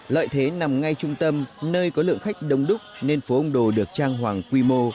lợi thế nằm ngay trung tâm nơi có lượng khách đông đúc nên phố ông đồ được trang hoàng quy mô